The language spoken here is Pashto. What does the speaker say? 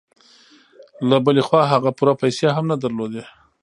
له بلې خوا هغه پوره پيسې هم نه درلودې.